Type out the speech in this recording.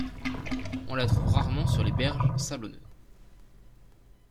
On la trouve rarement sur les berges sablonneuses.